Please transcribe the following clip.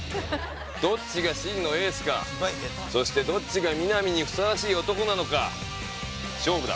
どっちが真のエースかそして、どっちが、南にふさわしい男なのか、勝負だ。